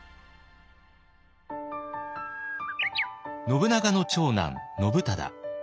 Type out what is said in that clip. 信長の長男信忠。